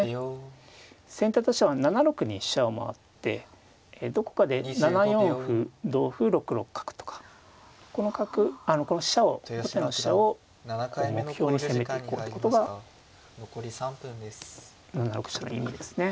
先手としては７六に飛車を回ってどこかで７四歩同歩６六角とかこの飛車を後手の飛車を目標に攻めていこうということが７六飛車の意味ですね。